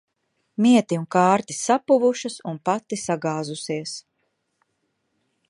Mieti un kārtis sapuvušas un pati sagāzusies.